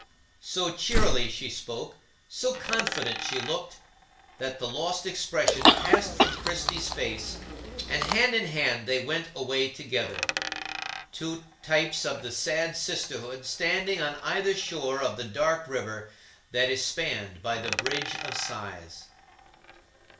So cheerily she spoke, so confident she looked, that the lost expression passed from Christie's face, and hand in hand they went away together,—two types of the sad sisterhood standing on either shore of the dark river that is spanned by a Bridge of Sighs.